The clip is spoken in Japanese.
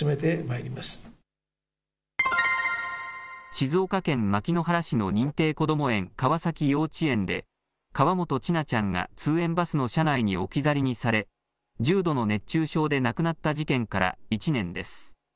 静岡県牧之原市の認定こども園、川崎幼稚園で、河本千奈ちゃんが通園バスの車内に置き去りにされ、重度の熱中症で亡くなった事件から１年です。